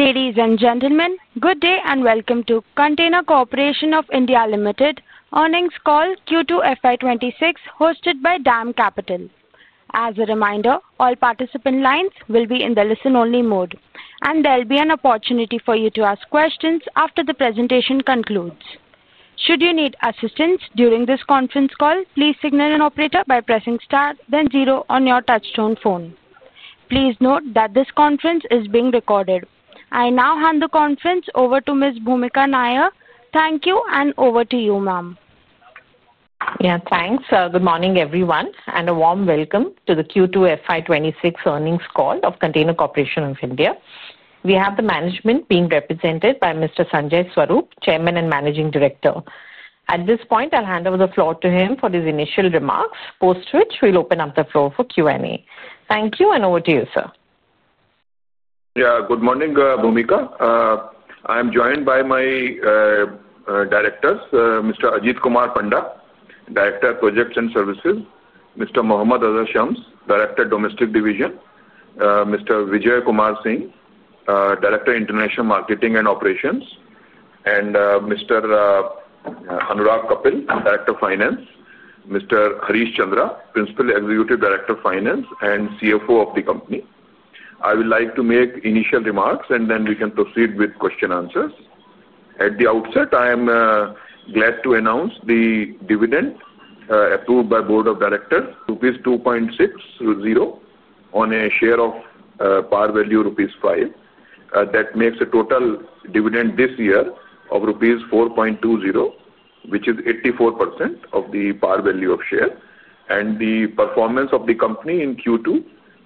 Ladies and gentlemen, good day and welcome to Container Corporation of India Limited, earnings call Q2 FY26, hosted by DAM Capital. As a reminder, all participant lines will be in the listen-only mode, and there'll be an opportunity for you to ask questions after the presentation concludes. Should you need assistance during this conference call, please signal an operator by pressing star, then zero on your touchstone phone. Please note that this conference is being recorded. I now hand the conference over to Ms. Bhoomika Nair. Thank you, and over to you, ma'am. Yeah, thanks. Good morning, everyone, and a warm welcome to the Q2 FY26 earnings call of Container Corporation of India. We have the management being represented by Mr. Sanjay Swarup, Chairman and Managing Director. At this point, I'll hand over the floor to him for his initial remarks, post which we'll open up the floor for Q&A. Thank you, and over to you, sir. Yeah, good morning, Bhoomika. I'm joined by my directors, Mr. Ajit Kumar Panda, Director of Projects and Services; Mr. Mohammad Azar Shams, Director of Domestic Division; Mr. Vijoy Kumar Singh, Director of International Marketing and Operations; and Mr. Anurag Kapil, Director of Finance; Mr. Harish Chandra, Principal Executive Director of Finance and CFO of the company. I would like to make initial remarks, and then we can proceed with question answers. At the outset, I am glad to announce the dividend approved by the Board of Directors: rupees 2.60 on a share of par value rupees 5. That makes a total dividend this year of rupees 4.20, which is 84% of the par value of shares. The performance of the company in Q2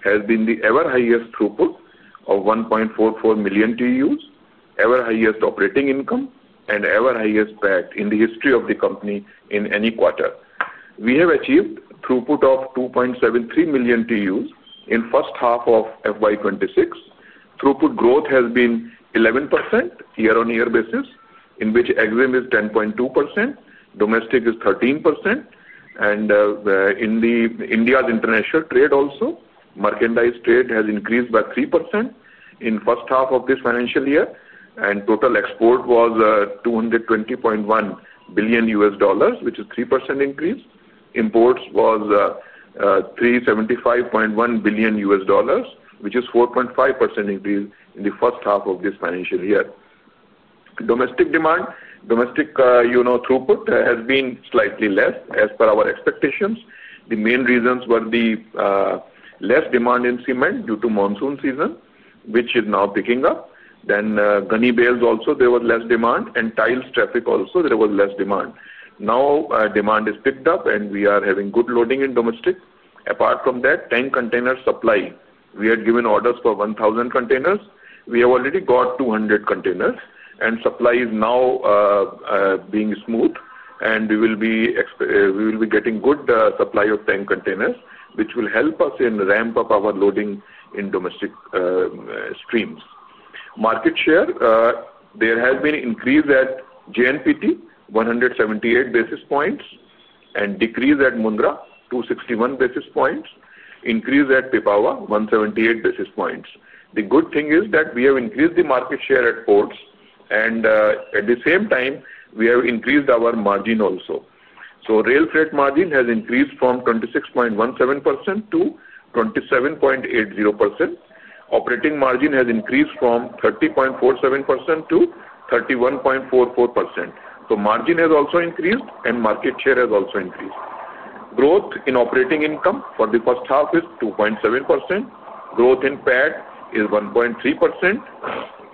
has been the ever-highest throughput of 1.44 million TEUs, ever-highest operating income, and ever-highest PEG in the history of the company in any quarter. We have achieved throughput of 2.73 million TEUs in the first half of 2026. Throughput growth has been 11% year-on-year basis, in which EXIM is 10.2%, domestic is 13%, and in India's international trade also, merchandise trade has increased by 3% in the first half of this financial year. Total export was $220.1 billion, which is a 3% increase. Imports was $375.1 billion, which is a 4.5% increase in the first half of this financial year. Domestic demand, domestic throughput has been slightly less as per our expectations. The main reasons were the less demand in cement due to monsoon season, which is now picking up. Ghanibales also, there was less demand, and tiles traffic also, there was less demand. Now demand is picked up, and we are having good loading in domestic. Apart from that, tank container supply, we had given orders for 1,000 containers. We have already got 200 containers, and supply is now being smooth, and we will be getting good supply of tank containers, which will help us in the ramp-up of our loading in domestic streams. Market share, there has been an increase at JNPT, 178 basis points, and decrease at Mundra, 261 basis points. Increase at Pipavav, 178 basis points. The good thing is that we have increased the market share at ports, and at the same time, we have increased our margin also. Rail freight margin has increased from 26.17% to 27.80%. Operating margin has increased from 30.47% to 31.44%. Margin has also increased, and market share has also increased. Growth in operating income for the first half is 2.7%. Growth in PEG is 1.3%,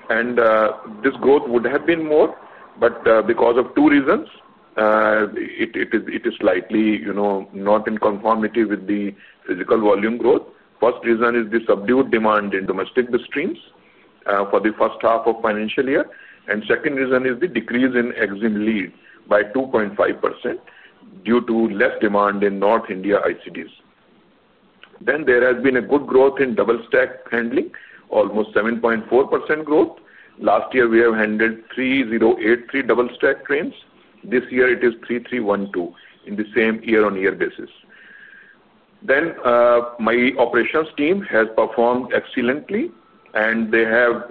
and this growth would have been more, but because of two reasons, it is slightly not in conformity with the physical volume growth. First reason is the subdued demand in domestic streams for the first half of financial year, and second reason is the decrease in EXIM lead by 2.5% due to less demand in North India ICDs. There has been a good growth in double stack handling, almost 7.4% growth. Last year, we have handled 3,083 double stack trains. This year, it is 3,312 in the same year-on-year basis. My operations team has performed excellently, and they have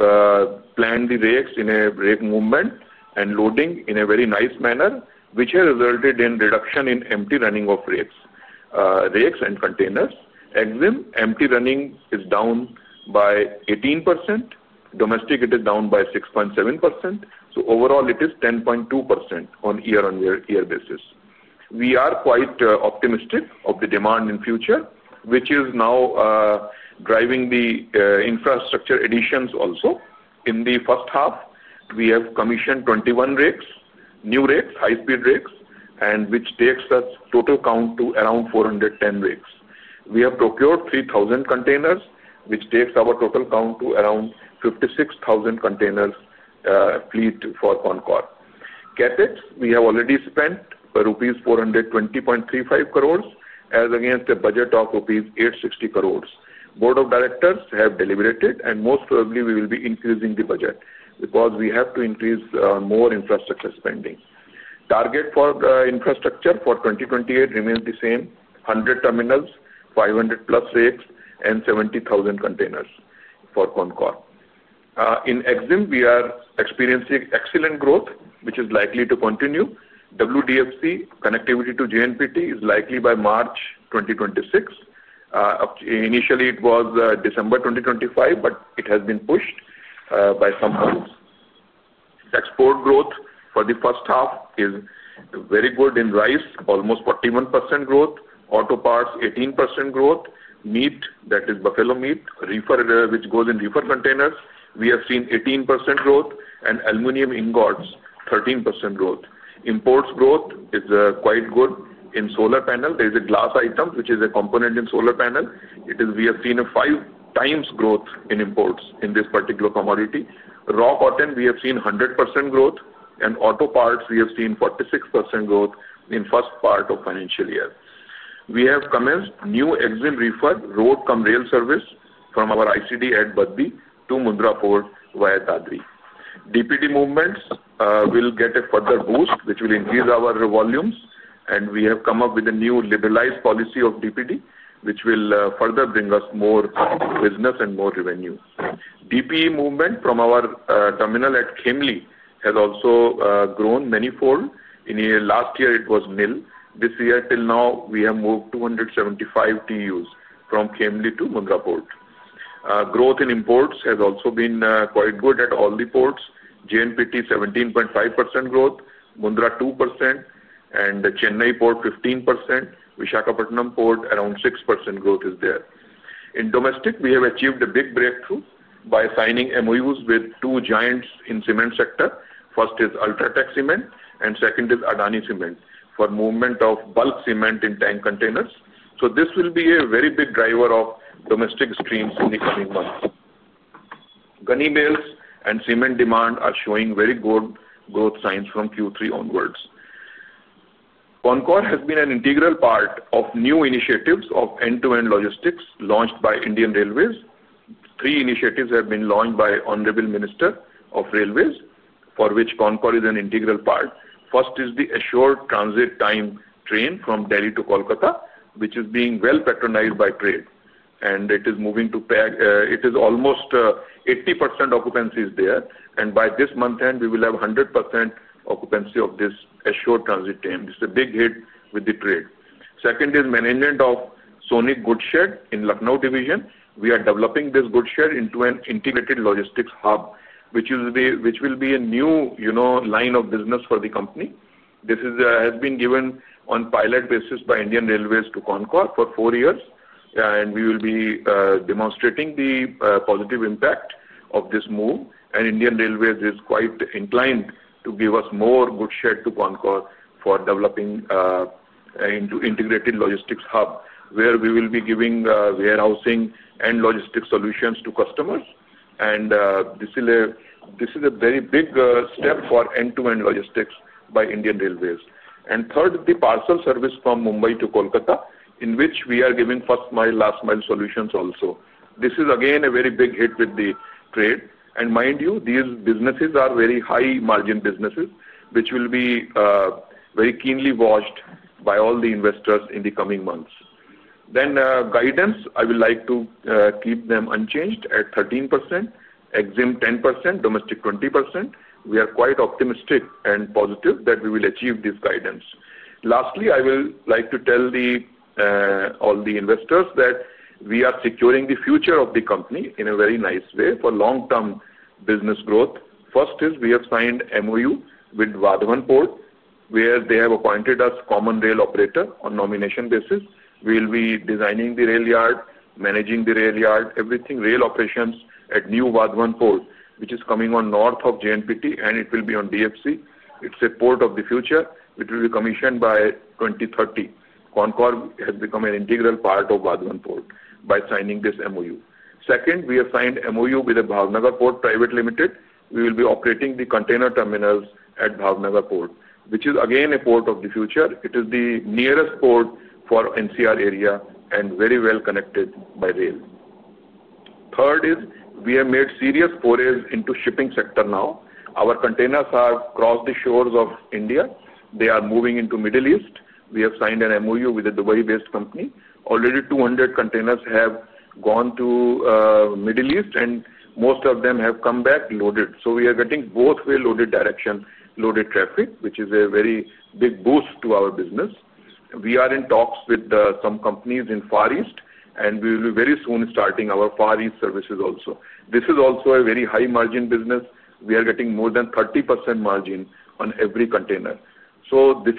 planned the rakes in a rake movement and loading in a very nice manner, which has resulted in reduction in empty running of rakes and containers. EXIM empty running is down by 18%. Domestic, it is down by 6.7%. Overall, it is 10.2% on year-on-year basis. We are quite optimistic of the demand in future, which is now driving the infrastructure additions also. In the first half, we have commissioned 21 rakes, new rakes, high-speed rakes, which takes us total count to around 410 rakes. We have procured 3,000 containers, which takes our total count to around 56,000 containers fleet for CONCOR. CapEx, we have already spent rupees 420.35 crore as against a budget of rupees 860 crore. Board of Directors have deliberated, and most probably, we will be increasing the budget because we have to increase more infrastructure spending. Target for infrastructure for 2028 remains the same: 100 terminals, 500 plus rakes, and 70,000 containers for CONCOR. In EXIM, we are experiencing excellent growth, which is likely to continue. WDFC connectivity to JNPT is likely by March 2026. Initially, it was December 2025, but it has been pushed by some months. Export growth for the first half is very good in rice, almost 41% growth. Auto parts, 18% growth. Meat, that is buffalo meat, which goes in reefer containers, we have seen 18% growth, and aluminum ingots, 13% growth. Imports growth is quite good. In solar panel, there is a glass item, which is a component in solar panel. We have seen a five-times growth in imports in this particular commodity. Raw cotton, we have seen 100% growth, and auto parts, we have seen 46% growth in the first part of financial year. We have commenced new EXIM reefer road-cum-rail service from our ICD at Dadri to Mundra Port via Dadri. DPD movements will get a further boost, which will increase our volumes, and we have come up with a new liberalized policy of DPD, which will further bring us more business and more revenue. DPE movement from our terminal at Khimel has also grown many-fold. In last year, it was nil. This year, till now, we have moved 275 TEUs from Khimel to Mundra Port. Growth in imports has also been quite good at all the ports. JNPT, 17.5% growth, Mundra 2%, and Chennai Port 15%. Visakhapatnam Port, around 6% growth is there. In domestic, we have achieved a big breakthrough by signing MOUs with two giants in cement sector. First is Ultratech Cement, and second is Adani Cement for movement of bulk cement in tank containers. This will be a very big driver of domestic streams in the coming months. Grain bales and cement demand are showing very good growth signs from Q3 onwards. CONCOR has been an integral part of new initiatives of end-to-end logistics launched by Indian Railways. Three initiatives have been launched by the Honorable Minister of Railways, for which CONCOR is an integral part. First is the assured transit time train from Delhi to Kolkata, which is being well patronized by trade, and it is moving to PEG. It is almost 80% occupancy there, and by this month's end, we will have 100% occupancy of this assured transit time. It's a big hit with the trade. Second is management of Sonic Goods Shed in Lucknow division. We are developing this Goods Shed into an integrated logistics hub, which will be a new line of business for the company. This has been given on pilot basis by Indian Railways to CONCOR for four years, and we will be demonstrating the positive impact of this move, and Indian Railways is quite inclined to give us more goods shed to CONCOR for developing into an integrated logistics hub, where we will be giving warehousing and logistics solutions to customers. This is a very big step for end-to-end logistics by Indian Railways. Third, the parcel service from Mumbai to Kolkata, in which we are giving first-mile, last-mile solutions also. This is, again, a very big hit with the trade, and mind you, these businesses are very high-margin businesses, which will be very keenly watched by all the investors in the coming months. Guidance, I would like to keep them unchanged at 13%, EXIM 10%, domestic 20%. We are quite optimistic and positive that we will achieve this guidance. Lastly, I would like to tell all the investors that we are securing the future of the company in a very nice way for long-term business growth. First is we have signed MOU with Vadhavan Port, where they have appointed us Common Rail Operator on nomination basis. We will be designing the rail yard, managing the rail yard, everything, rail operations at new Vadhavan Port, which is coming on north of JNPT, and it will be on DFC. It's a port of the future. It will be commissioned by 2030. CONCOR has become an integral part of Vadhavan Port by signing this MOU. Second, we have signed MOU with the Bhavnagar Port Private Limited. We will be operating the container terminals at Bhavnagar Port, which is, again, a port of the future. It is the nearest port for NCR area and very well connected by rail. Third is we have made serious forays into the shipping sector now. Our containers have crossed the shores of India. They are moving into the Middle East. We have signed an MOU with a Dubai-based company. Already, 200 containers have gone to the Middle East, and most of them have come back loaded. We are getting both-way loaded direction, loaded traffic, which is a very big boost to our business. We are in talks with some companies in Far East, and we will be very soon starting our Far East services also. This is also a very high-margin business. We are getting more than 30% margin on every container. This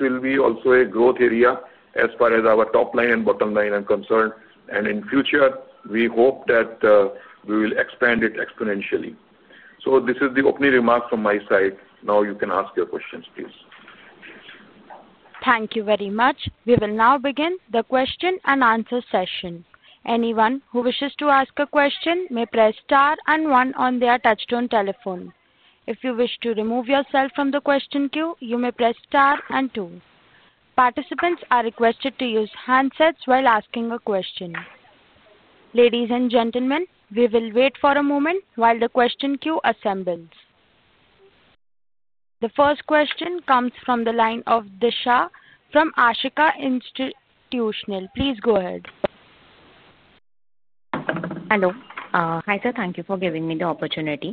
will be also a growth area as far as our top line and bottom line are concerned, and in the future, we hope that we will expand it exponentially. This is the opening remarks from my side. Now you can ask your questions, please. Thank you very much. We will now begin the question and answer session. Anyone who wishes to ask a question may press star and one on their touchstone telephone. If you wish to remove yourself from the question queue, you may press star and two. Participants are requested to use handsets while asking a question. Ladies and gentlemen, we will wait for a moment while the question queue assembles. The first question comes from the line of Disha from Ashika Institutional. Please go ahead. Hello. Hi sir, thank you for giving me the opportunity.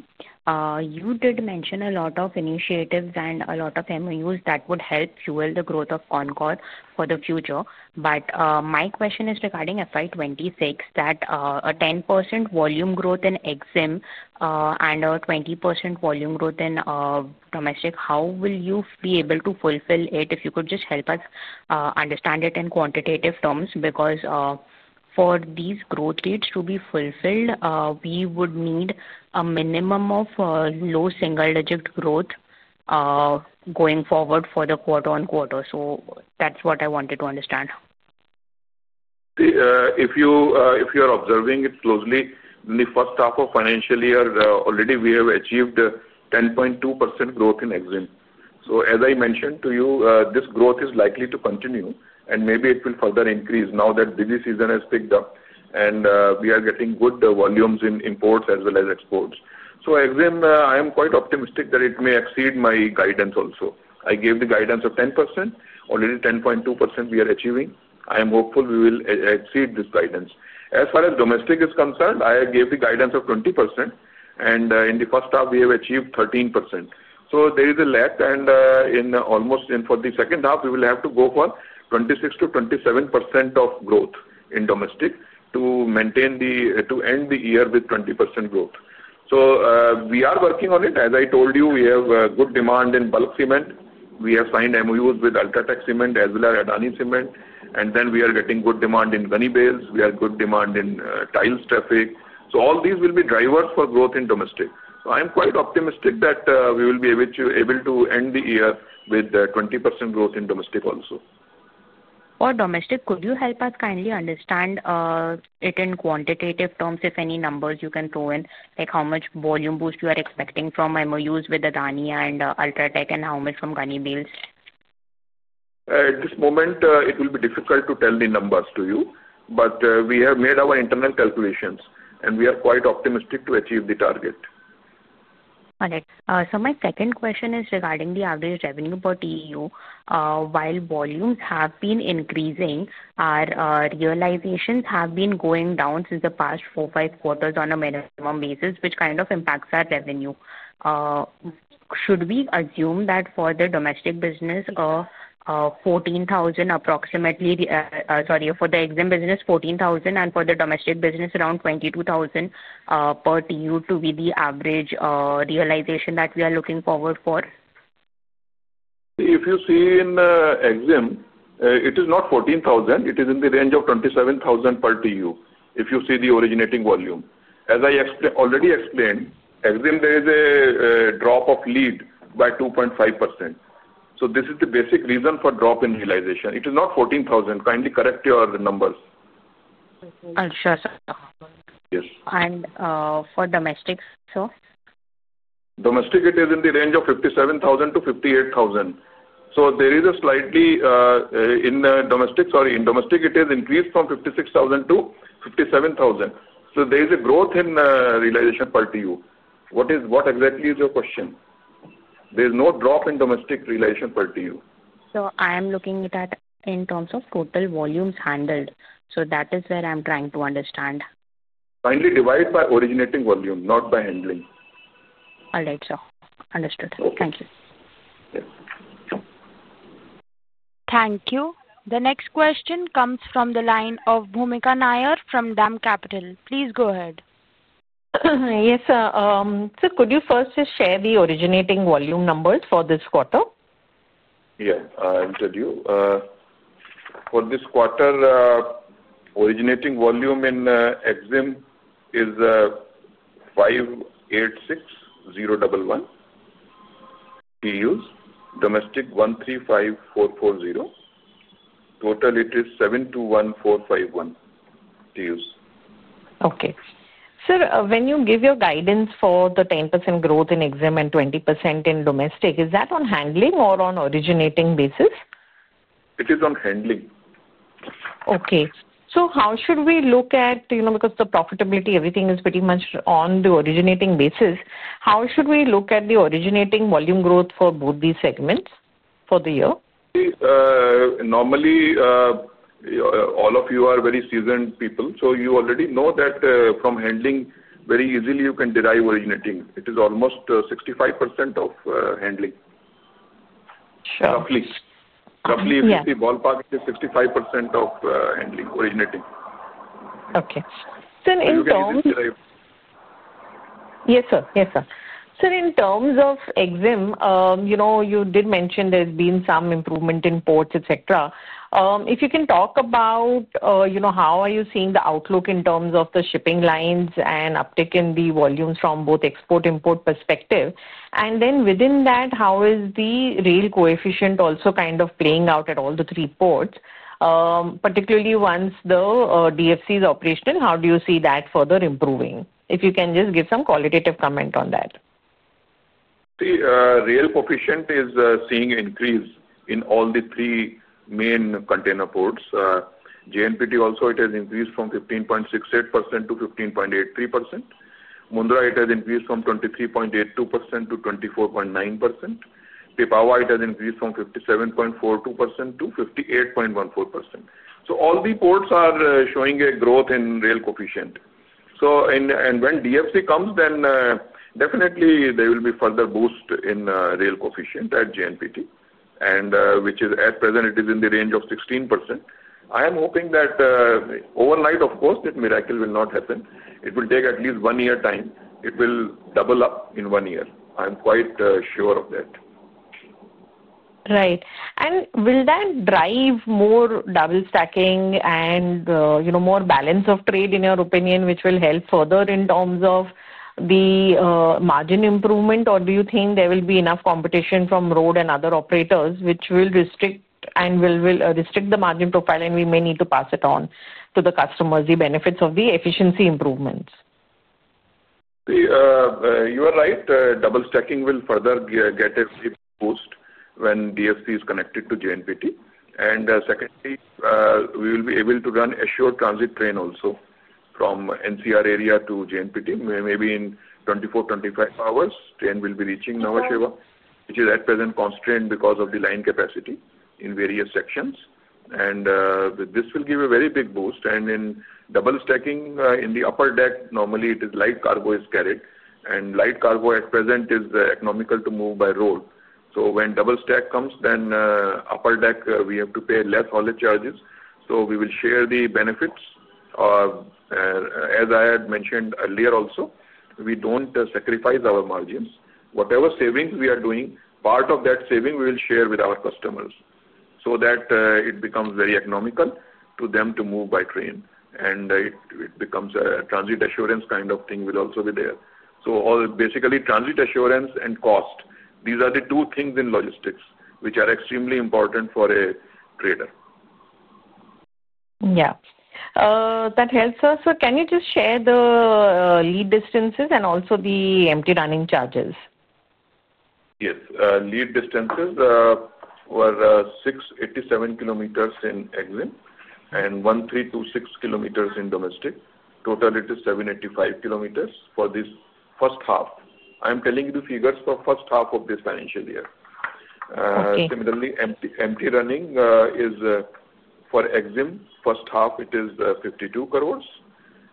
You did mention a lot of initiatives and a lot of MOUs that would help fuel the growth of CONCOR for the future, but my question is regarding FY26 that a 10% volume growth in EXIM and a 20% volume growth in domestic, how will you be able to fulfill it if you could just help us understand it in quantitative terms? Because for these growth needs to be fulfilled, we would need a minimum of low single-digit growth going forward for the quarter on quarter. That is what I wanted to understand. If you are observing it closely, in the first half of financial year, already we have achieved 10.2% growth in EXIM. As I mentioned to you, this growth is likely to continue, and maybe it will further increase now that busy season has picked up, and we are getting good volumes in imports as well as exports. EXIM, I am quite optimistic that it may exceed my guidance also. I gave the guidance of 10%. Already 10.2% we are achieving. I am hopeful we will exceed this guidance. As far as domestic is concerned, I gave the guidance of 20%, and in the first half, we have achieved 13%. There is a lag, and almost for the second half, we will have to go for 26-27% of growth in domestic to end the year with 20% growth. We are working on it. As I told you, we have good demand in bulk cement. We have signed MOUs with Ultratech Cement as well as Adani Cement, and then we are getting good demand in grain bales. We have good demand in tiles traffic. All these will be drivers for growth in domestic. I am quite optimistic that we will be able to end the year with 20% growth in domestic also. For domestic, could you help us kindly understand it in quantitative terms? If any numbers you can throw in, like how much volume boost you are expecting from MOUs with Adani and Ultratech, and how much from grain bales? At this moment, it will be difficult to tell the numbers to you, but we have made our internal calculations, and we are quite optimistic to achieve the target. Got it. So my second question is regarding the average revenue per TEU. While volumes have been increasing, our realizations have been going down since the past four-five quarters on a minimum basis, which kind of impacts our revenue. Should we assume that for the domestic business, 14,000 approximately, sorry, for the EXIM business, 14,000, and for the domestic business, around 22,000 per TEU to be the average realization that we are looking forward for? If you see in EXIM, it is not 14,000. It is in the range of 27,000 per TEU if you see the originating volume. As I already explained, EXIM, there is a drop of lead by 2.5%. This is the basic reason for drop in realization. It is not 14,000. Kindly correct your numbers. For domestic, sir? Domestic, it is in the range of 57,000-58,000. So there is a slightly in domestic, sorry, in domestic, it has increased from 56,000 to 57,000. So there is a growth in realization per TEU. What exactly is your question? There is no drop in domestic realization per TEU. I am looking at it in terms of total volumes handled. That is where I'm trying to understand. Kindly divide by originating volume, not by handling. All right, sir. Understood. Thank you. Thank you. The next question comes from the line of Bhoomika Nair from DAM Capital. Please go ahead. Yes, sir. Could you first just share the originating volume numbers for this quarter? Yeah, I'll tell you. For this quarter, originating volume in EXIM is 586,011 TEUs. Domestic, 135,440. Total, it is 721,451 TEUs. Okay. Sir, when you give your guidance for the 10% growth in EXIM and 20% in domestic, is that on handling or on originating basis? It is on handling. Okay. So how should we look at because the profitability, everything is pretty much on the originating basis. How should we look at the originating volume growth for both these segments for the year? Normally, all of you are very seasoned people, so you already know that from handling, very easily, you can derive originating. It is almost 65% of handling. Sure. Roughly, if you see ballpark, it is 65% of handling, originating. Okay. So in terms of. You can easily derive. Yes, sir. Yes, sir. In terms of EXIM, you did mention there's been some improvement in ports, etc. If you can talk about how are you seeing the outlook in terms of the shipping lines and uptick in the volumes from both export-import perspective, and then within that, how is the rail coefficient also kind of playing out at all the three ports, particularly once the DFC is operational? How do you see that further improving? If you can just give some qualitative comment on that. The rail coefficient is seeing an increase in all the three main container ports. JNPT also, it has increased from 15.68% to 15.83%. Mundra, it has increased from 23.82% to 24.9%. Pipavav, it has increased from 57.42% to 58.14%. All the ports are showing a growth in rail coefficient. When DFC comes, then definitely there will be further boost in rail coefficient at JNPT, and which is at present, it is in the range of 16%. I am hoping that overnight, of course, that miracle will not happen. It will take at least one year time. It will double up in one year. I'm quite sure of that. Right. Will that drive more double stacking and more balance of trade, in your opinion, which will help further in terms of the margin improvement, or do you think there will be enough competition from road and other operators, which will restrict the margin profile, and we may need to pass it on to the customers, the benefits of the efficiency improvements? You are right. Double stacking will further get a boost when DFC is connected to JNPT. Secondly, we will be able to run assured transit train also from NCR area to JNPT. Maybe in 24-25 hours, train will be reaching Nhava Sheva, which is at present constrained because of the line capacity in various sections. This will give a very big boost. In double stacking, in the upper deck, normally it is light cargo is carried, and light cargo at present is economical to move by road. When double stack comes, then upper deck, we have to pay less haulage charges. We will share the benefits. As I had mentioned earlier also, we do not sacrifice our margins. Whatever savings we are doing, part of that saving we will share with our customers so that it becomes very economical to them to move by train. It becomes a transit assurance kind of thing will also be there. Basically, transit assurance and cost, these are the two things in logistics which are extremely important for a trader. Yeah. That helps us. Can you just share the lead distances and also the empty running charges? Yes. Lead distances were 87 km in EXIM and 1,326 km in domestic. Total, it is 785 km for this first half. I'm telling you the figures for the first half of this financial year. Similarly, empty running is for EXIM, first half, it is 52 crore,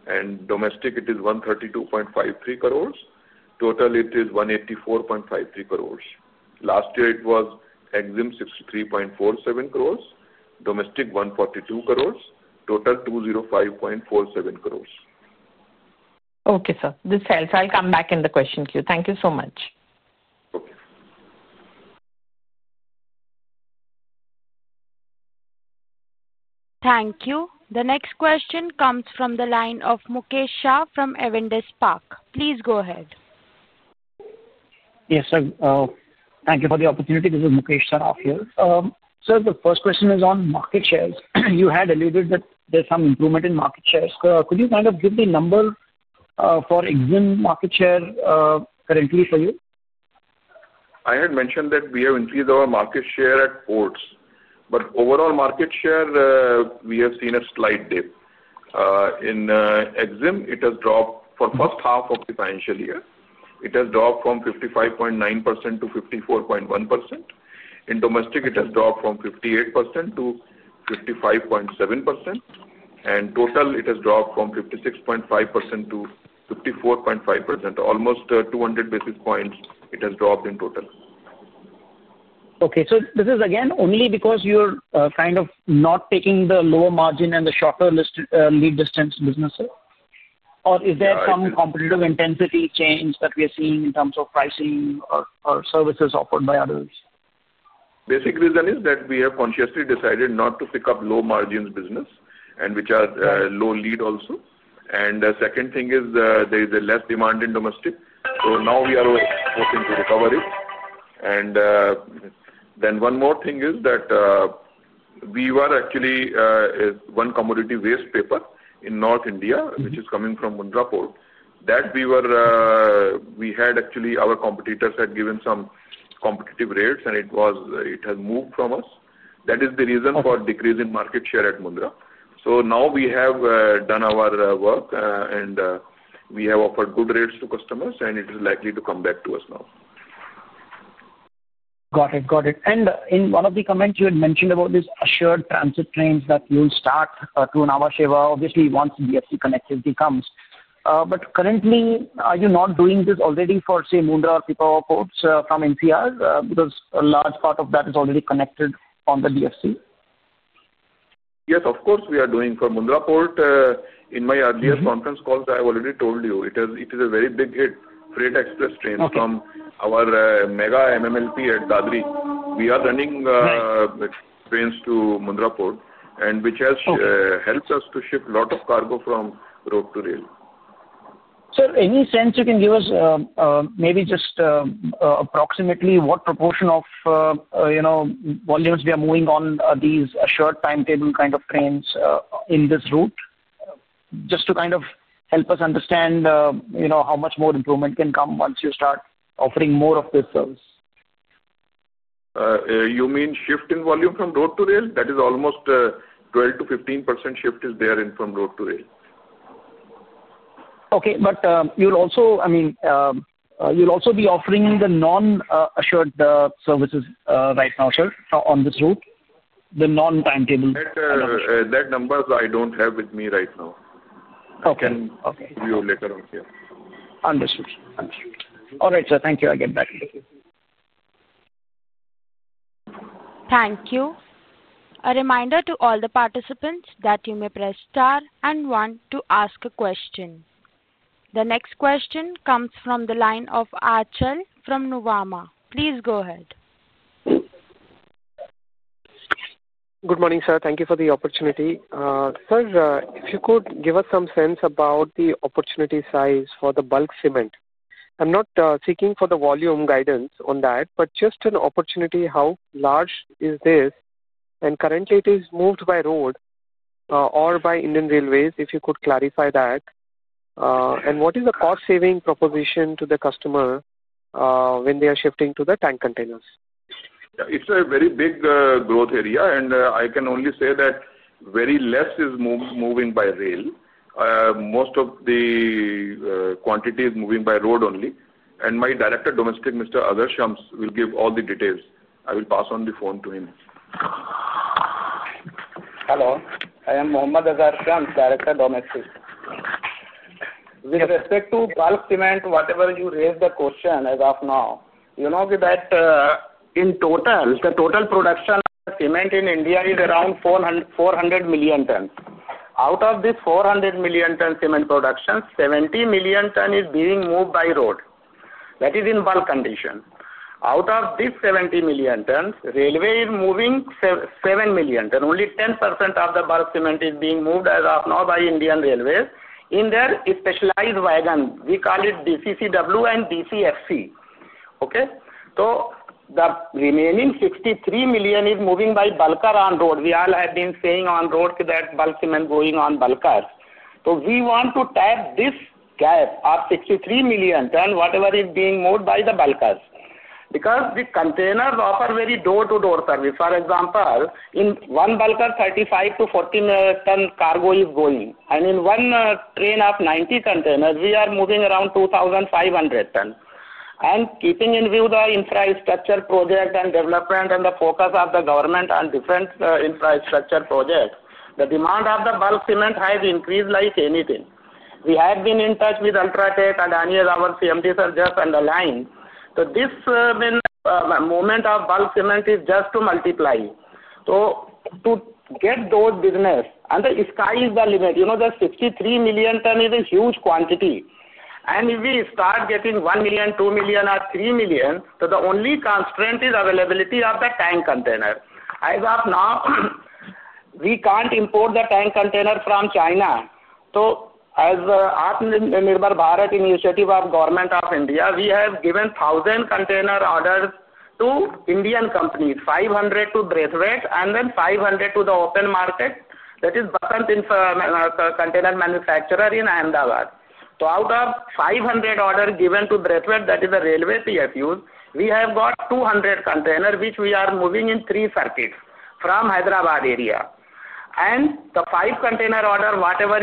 and domestic, it is 132.53 crore. Total, it is 184.53 crore. Last year, it was EXIM 63.47 crore, domestic 142 crore, total 205.47 crore. Okay, sir. This helps. I'll come back in the question queue. Thank you so much. Okay. Thank you. The next question comes from the line of Mukesh Shah from Evindus Park. Please go ahead. Yes, sir. Thank you for the opportunity. This is Mukesh Shah here. Sir, the first question is on market shares. You had alluded that there is some improvement in market shares. Could you kind of give the number for EXIM market share currently for you? I had mentioned that we have increased our market share at ports, but overall market share, we have seen a slight dip. In EXIM, it has dropped for the first half of the financial year. It has dropped from 55.9% to 54.1%. In domestic, it has dropped from 58% to 55.7%. Total, it has dropped from 56.5% to 54.5%. Almost 200 basis points it has dropped in total. Okay. So this is again only because you're kind of not taking the lower margin and the shorter lead distance businesses? Or is there some competitive intensity change that we are seeing in terms of pricing or services offered by others? Basic reason is that we have consciously decided not to pick up low margins business, which are low lead also. The second thing is there is less demand in domestic. Now we are working to recover it. One more thing is that we were actually one commodity, waste paper in North India, which is coming from Mundra Port. Our competitors had given some competitive rates, and it has moved from us. That is the reason for decrease in market share at Mundra. Now we have done our work, and we have offered good rates to customers, and it is likely to come back to us now. Got it. Got it. In one of the comments, you had mentioned about this assured transit trains that you'll start to Nhava Sheva, obviously once DFC connectivity comes. Currently, are you not doing this already for, say, Mundra or Pipavav ports from NCR? Because a large part of that is already connected on the DFC. Yes, of course, we are doing for Mundra Port. In my earlier conference calls, I have already told you. It is a very big hit, freight express trains from our mega MMLP at Dadri. We are running trains to Mundra Port, which has helped us to ship a lot of cargo from road to rail. Sir, any sense you can give us maybe just approximately what proportion of volumes we are moving on these assured timetable kind of trains in this route? Just to kind of help us understand how much more improvement can come once you start offering more of this service. You mean shift in volume from road to rail? That is almost 12%-15% shift is there in from road to rail. Okay. You'll also, I mean, you'll also be offering the non-assured services right now, sir, on this route? The non-timetable. That number, I don't have with me right now. I can give you later on here. Understood. Understood. All right, sir. Thank you. I'll get back to you. Thank you. A reminder to all the participants that you may press star and one to ask a question. The next question comes from the line of Achal from Nuvama. Please go ahead. Good morning, sir. Thank you for the opportunity. Sir, if you could give us some sense about the opportunity size for the bulk cement. I'm not seeking for the volume guidance on that, but just an opportunity, how large is this? Currently, it is moved by road or by Indian Railways, if you could clarify that. What is the cost-saving proposition to the customer when they are shifting to the tank containers? It's a very big growth area, and I can only say that very less is moving by rail. Most of the quantity is moving by road only. My Director, Domestic, Mr. Azar Shams, will give all the details. I will pass on the phone to him. Hello. I am Mohammad Azhar Shams, Director, Domestic. With respect to bulk cement, whatever you raised the question as of now, you know that in total, the total production of cement in India is around 400 million tons. Out of this 400 million tons cement production, 70 million tons is being moved by road. That is in bulk condition. Out of this 70 million tons, railway is moving 7 million. And only 10% of the bulk cement is being moved as of now by Indian Railways in their specialized wagon. We call it DCCW and DCFC. Okay? The remaining 63 million is moving by bulker on road. We all have been saying on road that bulk cement going on bulkers. We want to tap this gap of 63 million tons whatever is being moved by the bulkers. Because the containers offer very door-to-door service. For example, in one bulker, 35-40 million tons cargo is going. In one train of 90 containers, we are moving around 2,500 tons. Keeping in view the infrastructure project and development and the focus of the government on different infrastructure projects, the demand of the bulk cement has increased like anything. We have been in touch with Ultratech, Adani, our CMD, sir, just on the line. This movement of bulk cement is just to multiply. To get those business, and the sky is the limit. You know that 63 million tons is a huge quantity. If we start getting 1 million, 2 million, or 3 million, the only constraint is availability of the tank container. As of now, we can't import the tank container from China. As the Atmanirbhar Bharat Initiative of Government of India, we have given 1,000 container orders to Indian companies, 500 to Braithwaite, and 500 to the open market, that is Basant Container Manufacturer in Ahmedabad. Out of 500 orders given to Braithwaite, that is the railway PFUs, we have got 200 containers, which we are moving in three circuits from Hyderabad area. The 500 container order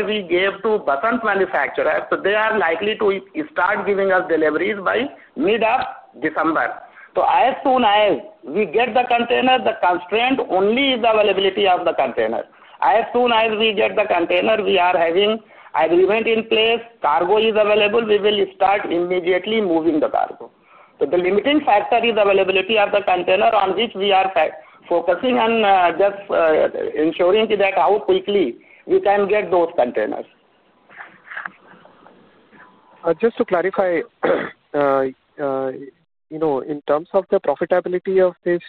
we gave to Basant Manufacturer, they are likely to start giving us deliveries by mid-December. As soon as we get the container, the constraint only is the availability of the container. As soon as we get the container, we are having agreement in place. Cargo is available. We will start immediately moving the cargo. The limiting factor is availability of the container on which we are focusing on just ensuring that how quickly we can get those containers. Just to clarify, in terms of the profitability of this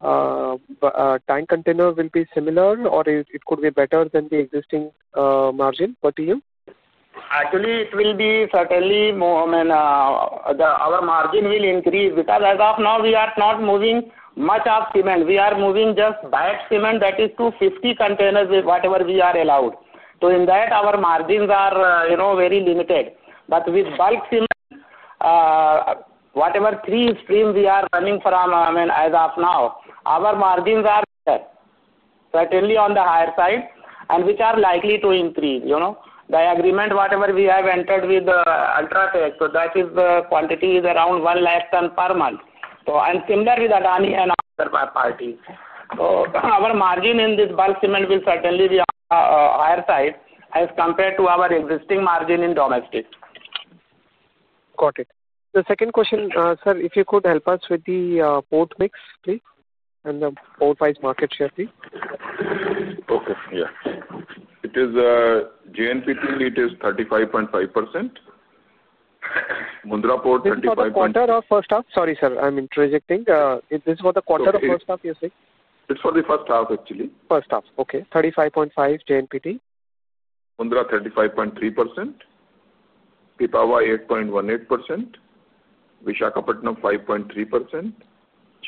tank container, will it be similar or it could be better than the existing margin per TEU? Actually, it will be certainly more than our margin will increase because as of now, we are not moving much of cement. We are moving just batch cement, that is, 50 containers, whatever we are allowed. In that, our margins are very limited. With bulk cement, whatever three streams we are running from as of now, our margins are certainly on the higher side, and which are likely to increase. The agreement, whatever we have entered with Ultratech, the quantity is around 100,000 tons per month. Similar with Adani and other parties. Our margin in this bulk cement will certainly be on the higher side as compared to our existing margin in domestic. Got it. The second question, sir, if you could help us with the port mix, please. And the port-wise market share, please. Okay. Yeah. It is JNPT, it is 35.5%. Mundra Port 35%. For the quarter or first half? Sorry, sir. I'm interjecting. Is this for the quarter or first half you're saying? It's for the first half, actually. First half. Okay. 35.5 JNPT. Mundra 35.3%, Pipavav 8.18%, Visakhapatnam 5.3%,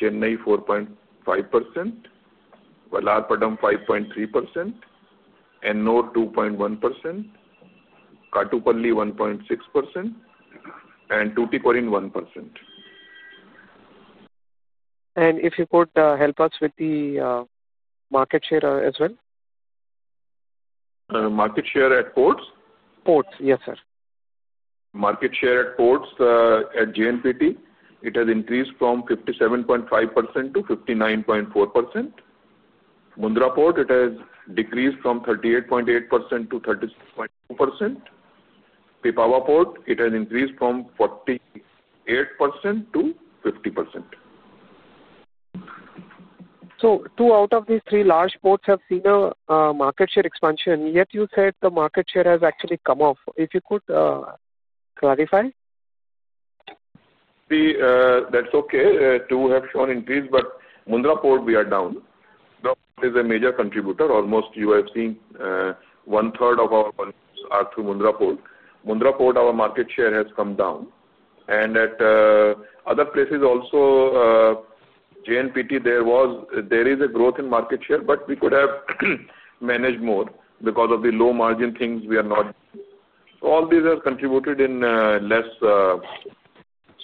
Chennai 4.5%, Vallarpadam 5.3%, Ennore 2.1%, Kattupalli 1.6%, and Tuticorin 1%. If you could help us with the market share as well. Market share at ports. Ports. Yes, sir. Market share at ports at JNPT, it has increased from 57.5% to 59.4%. Mundra Port, it has decreased from 38.8% to 36.2%. Pipavav Port, it has increased from 48% to 50%. Two out of these three large ports have seen a market share expansion. Yet you said the market share has actually come off. If you could clarify. That's okay. Two have shown increase, but Mundra Port, we are down. Mundra Port is a major contributor. Almost you have seen 1/3 of our volumes are through Mundra Port. Mundra Port, our market share has come down. At other places also, JNPT, there is a growth in market share, but we could have managed more because of the low margin things we are not. All these have contributed in less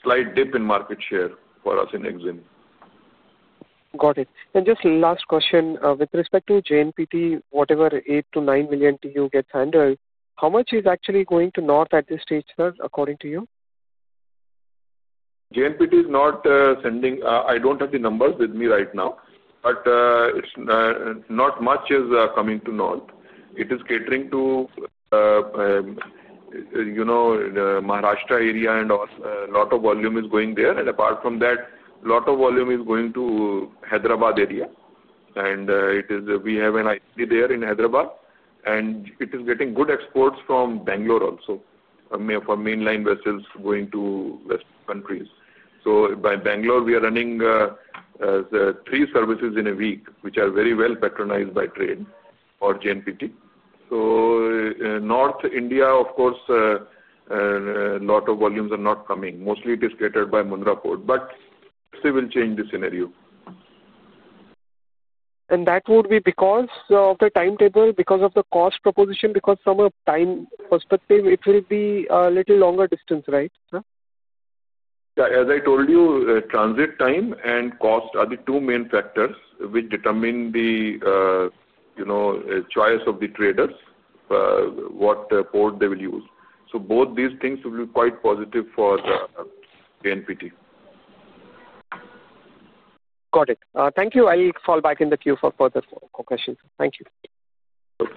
slight dip in market share for us in EXIM. Got it. And just last question. With respect to JNPT, whatever 8 to 9 million TEU gets handled, how much is actually going to North at this stage, sir, according to you? JNPT is not sending, I don't have the numbers with me right now, but not much is coming to North. It is catering to Maharashtra area and a lot of volume is going there. Apart from that, a lot of volume is going to Hyderabad area. We have an ICD there in Hyderabad, and it is getting good exports from Bangalore also for mainline vessels going to Western countries. By Bangalore, we are running three services in a week, which are very well patronized by trade for JNPT. North India, of course, a lot of volumes are not coming. Mostly, it is catered by Mundra Port. We will change the scenario. That would be because of the timetable, because of the cost proposition, because from a time perspective, it will be a little longer distance, right? As I told you, transit time and cost are the two main factors which determine the choice of the traders, what port they will use. Both these things will be quite positive for JNPT. Got it. Thank you. I'll fall back in the queue for further questions. Thank you. Okay.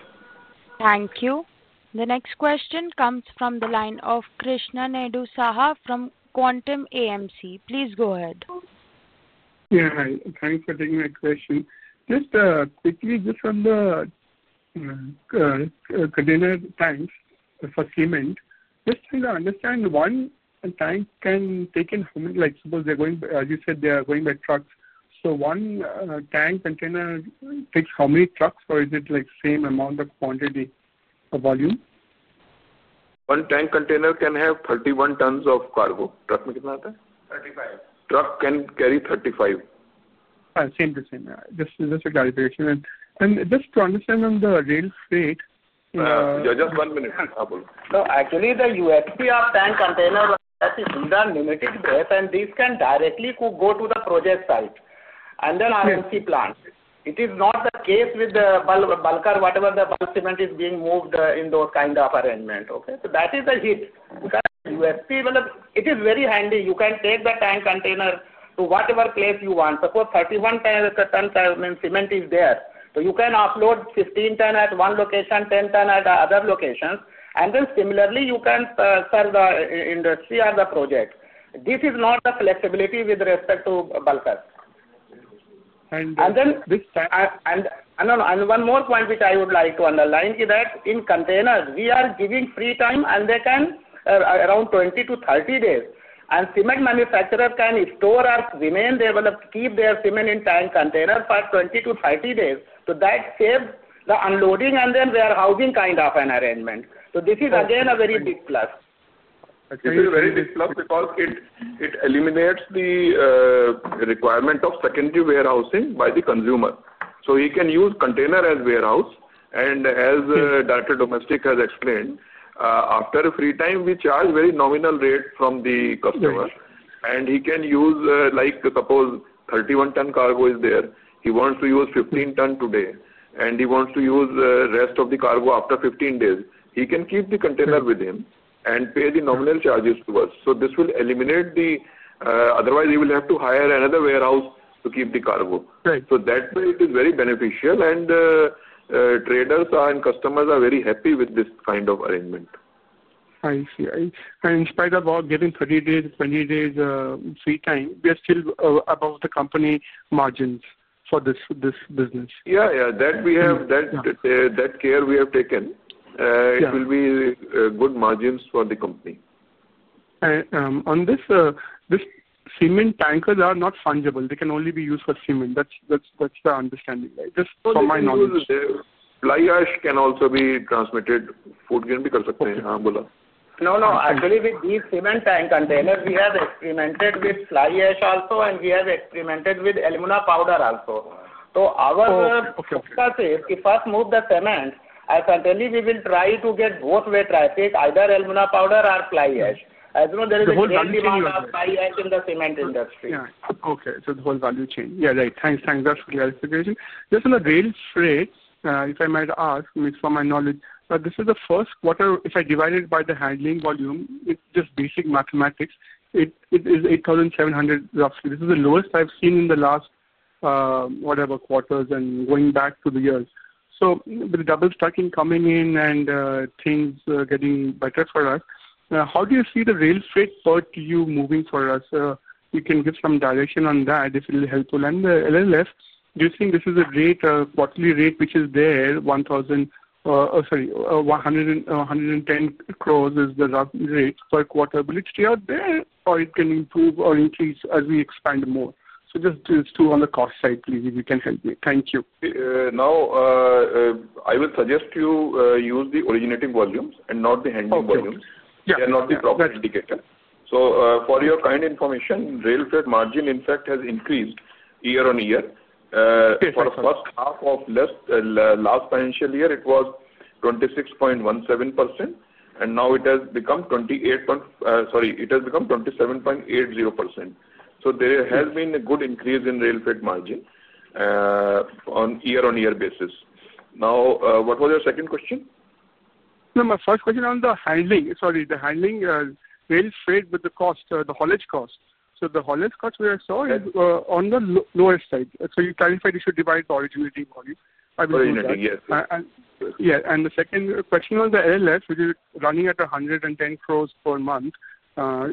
Thank you. The next question comes from the line of Krishnedu Saha from Quantum AMC. Please go ahead. Yeah. Thanks for taking my question. Just quickly, just on the container tanks for cement, just trying to understand one tank can take in how many? Suppose they're going, as you said, they are going by trucks. So one tank container takes how many trucks, or is it the same amount of quantity of volume? One tank container can have 31 tons of cargo. Truck means what? 35. Truck can carry 35. Same to same. Just a clarification. Just to understand on the rail freight. Just one minute. Actually, the USP of tank container is that it is limited depth, and this can directly go to the project site and the RMC plant. It is not the case with the bulker, whatever the bulk cement is being moved in those kind of arrangement. Okay? That is the hit. Because USP, it is very handy. You can take the tank container to whatever place you want. Suppose 31 tons cement is there, you can offload 15 tons at one location, 10 tons at other locations. Similarly, you can serve the industry or the project. This is not the flexibility with respect to bulkers. And. This time. One more point which I would like to underline is that in containers, we are giving free time, and they can around 20-30 days. Cement manufacturers can store or remain to keep their cement in tank containers for 20-30 days. That saves the unloading and then their housing kind of an arrangement. This is again a very big plus. This is a very big plus because it eliminates the requirement of secondary warehousing by the consumer. He can use the container as a warehouse. As Director Domestic has explained, after free time, we charge a very nominal rate from the customer. He can use, suppose 31 tons cargo is there, he wants to use 15 tons today, and he wants to use the rest of the cargo after 15 days. He can keep the container with him and pay the nominal charges to us. This will eliminate the otherwise, he will have to hire another warehouse to keep the cargo. Right. That way, it is very beneficial, and traders and customers are very happy with this kind of arrangement. I see. In spite of all giving 30 days, 20 days free time, we are still above the company margins for this business. Yeah. Yeah. That care we have taken, it will be good margins for the company. On this, the cement tankers are not fungible. They can only be used for cement. That's the understanding, right? Just from my knowledge. Fly ash can also be transmitted. Food can be transmitted. No, no. Actually, with these cement tank containers, we have experimented with fly ash also, and we have experimented with alumina powder also. So our focus is to first move the cement. As I told you, we will try to get both way traffic, either alumina powder or fly ash. As you know, there is a huge demand for fly ash in the cement industry. Okay. So the whole value chain. Yeah. Right. Thanks. Thanks. That's a good clarification. Just on the rail freight, if I might ask, just for my knowledge, this is the first quarter. If I divide it by the handling volume, it's just basic mathematics. It is 8,700 roughly. This is the lowest I've seen in the last whatever quarters and going back to the years. With the double stacking coming in and things getting better for us, how do you see the rail freight per TEU moving for us? You can give some direction on that if it will be helpful. And LLF, do you think this is a rate, a quarterly rate which is there? 1,000 or sorry, 110 crore is the rough rate per quarter. Will it stay out there, or it can improve or increase as we expand more? Just these two on the cost side, please, if you can help me. Thank you. Now, I would suggest you use the originating volumes and not the handling volumes. Okay. Yeah. They are not the proper indicator. For your kind information, rail freight margin, in fact, has increased year-on-year. For the first half of last financial year, it was 26.17%, and now it has become 28.0%. Sorry, it has become 27.80%. There has been a good increase in rail freight margin on year-on-year basis. Now, what was your second question? No, my first question on the handling. Sorry, the handling rail freight with the cost, the haulage cost. So the haulage cost we saw is on the lowest side. So you clarified you should divide the originating volume. Exactly. Yes. Yeah. The second question on the LLF, which is running at 110 crore per month,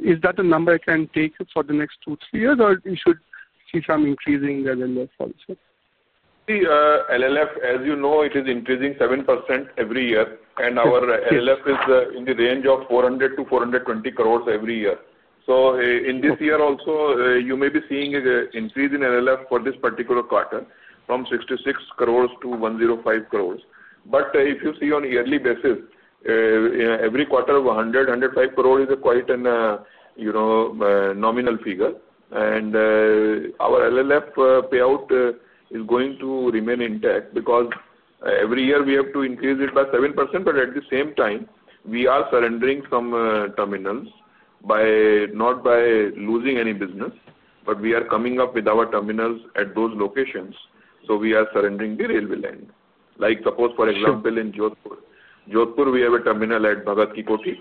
is that a number I can take for the next two-three years, or should you see some increasing LLF also? See, LLF, as you know, it is increasing 7% every year, and our LLF is in the range of 400 crore-420 crore every year. In this year also, you may be seeing an increase in LLF for this particular quarter from 66 crore to 105 crore. If you see on a yearly basis, every quarter of 100 crore, 105 crore is quite a nominal figure. Our LLF payout is going to remain intact because every year we have to increase it by 7%. At the same time, we are surrendering some terminals not by losing any business, but we are coming up with our terminals at those locations. We are surrendering the railway line. Like, suppose, for example, in Jodhpur. Jodhpur, we have a terminal at Bhagati Koti,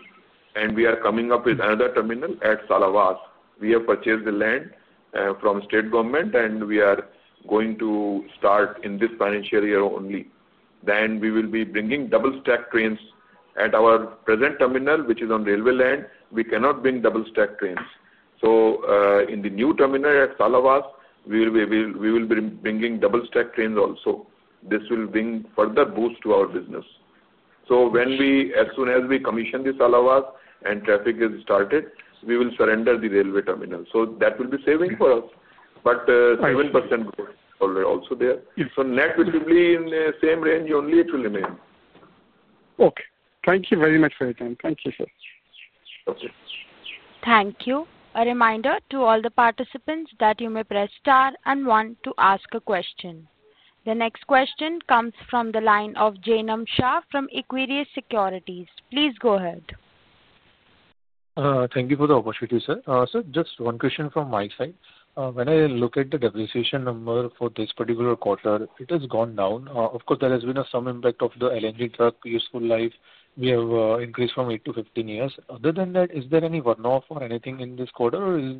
and we are coming up with another terminal at Salawas. We have purchased the land from state government, and we are going to start in this financial year only. We will be bringing double-stack trains. At our present terminal, which is on railway land, we cannot bring double-stack trains. In the new terminal at Salawas, we will be bringing double-stack trains also. This will bring further boost to our business. As soon as we commission the Salawas and traffic is started, we will surrender the railway terminal. That will be saving for us. 7% growth is also there. Net will be in the same range only it will remain. Okay. Thank you very much for your time. Thank you, sir. Okay. Thank you. A reminder to all the participants that you may press star and one to ask a question. The next question comes from the line of Jainam Shah from Equirus Securities. Please go ahead. Thank you for the opportunity, sir. Sir, just one question from my side. When I look at the depreciation number for this particular quarter, it has gone down. Of course, there has been some impact of the LNG truck useful life. We have increased from 8 to 15 years. Other than that, is there any runoff or anything in this quarter, or is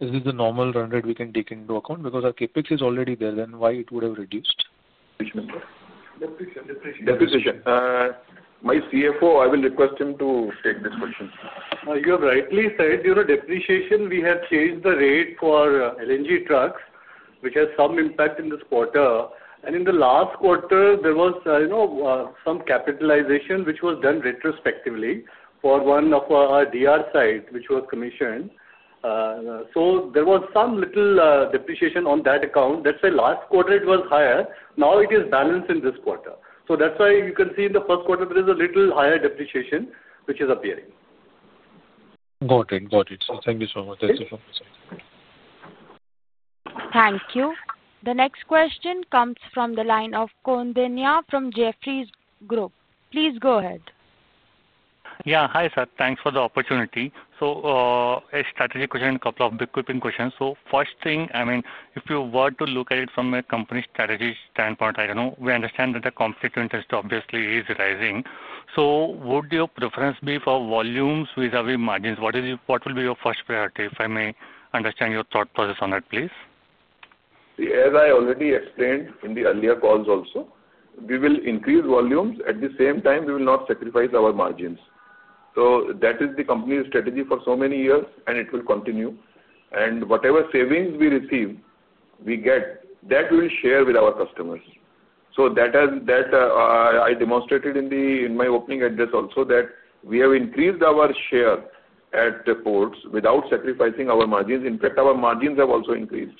this the normal run rate we can take into account? Because our CapEx is already there, then why it would have reduced? Depreciation. My CFO, I will request him to take this question. You have rightly said. Depreciation, we have changed the rate for LNG trucks, which has some impact in this quarter. In the last quarter, there was some capitalization which was done retrospectively for one of our DR sites which was commissioned. There was some little depreciation on that account. That is why last quarter it was higher. Now it is balanced in this quarter. That is why you can see in the first quarter, there is a little higher depreciation which is appearing. Got it. Thank you so much. Thank you. The next question comes from the line of Koundinya from Jefferies Group. Please go ahead. Yeah. Hi, sir. Thanks for the opportunity. A strategy question and a couple of big quick questions. First thing, I mean, if you were to look at it from a company strategy standpoint, I do not know. We understand that the competitive interest obviously is rising. Would your preference be for volumes vis-à-vis margins? What will be your first priority if I may understand your thought process on that, please? As I already explained in the earlier calls also, we will increase volumes. At the same time, we will not sacrifice our margins. That is the company's strategy for so many years, and it will continue. Whatever savings we receive, we get, that we will share with our customers. I demonstrated in my opening address also that we have increased our share at the ports without sacrificing our margins. In fact, our margins have also increased.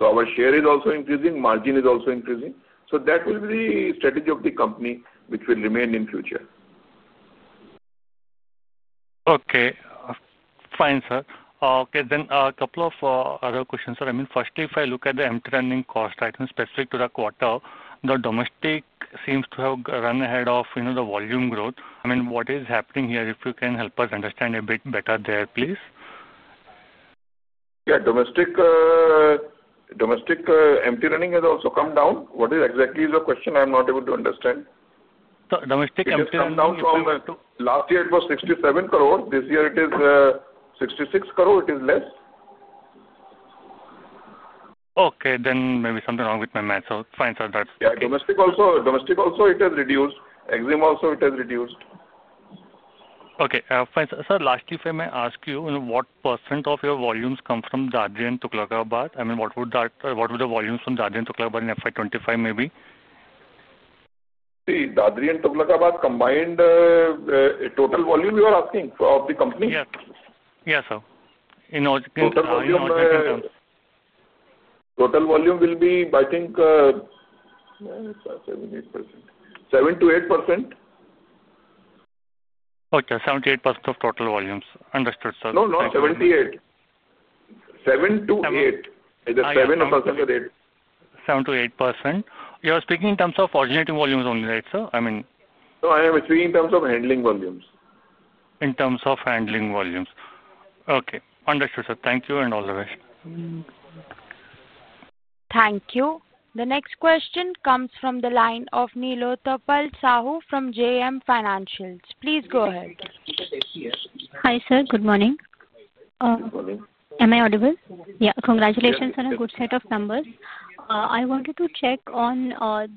Our share is also increasing. Margin is also increasing. That will be the strategy of the company which will remain in future. Okay. Fine. Sir. Okay. Then a couple of other questions, sir. I mean, firstly, if I look at the empty running cost, right, and specific to the quarter, the domestic seems to have run ahead of the volume growth. I mean, what is happening here? If you can help us understand a bit better there, please. Yeah. Domestic empty running has also come down. What exactly is your question? I'm not able to understand. Domestic empty running has come down from. Last year, it was 67 crore. This year, it is 66 crore. It is less. Okay. Maybe something is wrong with my math. Fine, sir. Yeah. Domestic also, it has reduced. EXIM also, it has reduced. Okay. Fine. Sir, lastly, if I may ask you, what % of your volumes come from Dadri and Tughlakabad? I mean, what were the volumes from Dadri and Tughlakabad in FY2025, maybe? See, Dadri and Tughlakabad combined total volume, you are asking of the company? Yeah. Yeah, sir. In all volume terms. Total volume will be, I think, 7-8%. Okay. 7%-8% of total volumes. Understood, sir. No, no. Seventy-eight. Seven to eight. 7%-8%. 7%-8%. 7% to 8%. You are speaking in terms of originating volumes only, right, sir? I mean. No, I am speaking in terms of handling volumes. In terms of handling volumes. Okay. Understood, sir. Thank you and all the best. Thank you. The next question comes from the line of Neelotpal Sahu from JM Financial. Please go ahead. Hi, sir. Good morning. Am I audible? Yeah. Congratulations, sir. A good set of numbers. I wanted to check on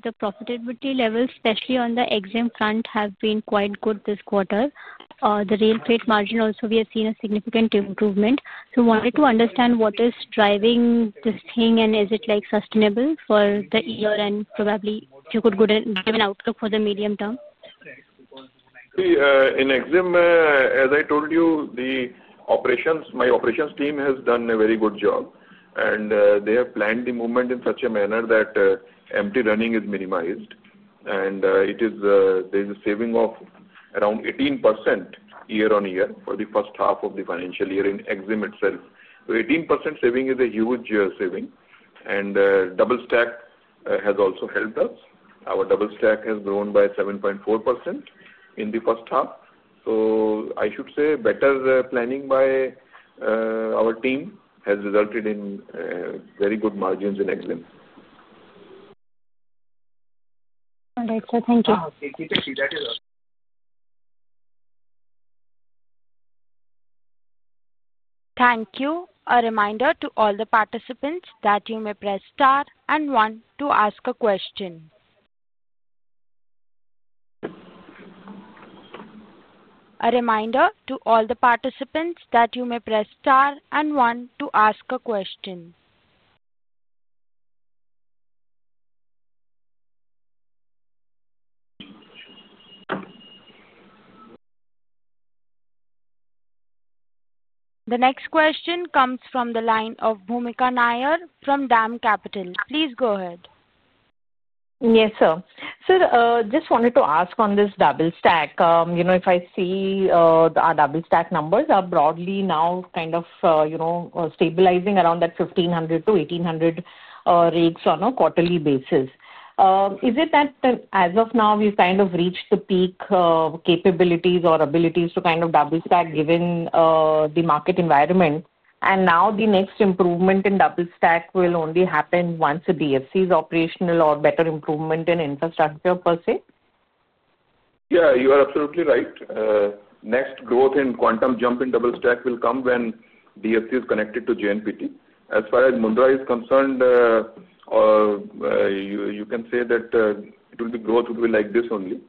the profitability levels, especially on the EXIM front, which have been quite good this quarter. The rail freight margin also, we have seen a significant improvement. I wanted to understand what is driving this thing, and is it sustainable for the year? Probably, if you could give an outlook for the medium term. See, in EXIM, as I told you, my operations team has done a very good job. They have planned the movement in such a manner that empty running is minimized. There is a saving of around 18% year-on-year for the first half of the financial year in EXIM itself. 18% saving is a huge saving. Double stack has also helped us. Our double stack has grown by 7.4% in the first half. I should say better planning by our team has resulted in very good margins in EXIM. All right. Sir, thank you. Thank you. A reminder to all the participants that you may press star and one to ask a question. The next question comes from the line of Bhoomika Nair from DAM Capital. Please go ahead. Yes, sir. Sir, just wanted to ask on this double stack. If I see our double stack numbers are broadly now kind of stabilizing around that 1,500-1,800 rakes on a quarterly basis. Is it that as of now, we've kind of reached the peak capabilities or abilities to kind of double stack given the market environment? Now the next improvement in double stack will only happen once the DFC is operational or better improvement in infrastructure per se? Yeah. You are absolutely right. Next growth in quantum jump in double stack will come when DFC is connected to JNPT. As far as Mundra is concerned, you can say that it will be growth like this only